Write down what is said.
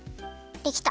できた。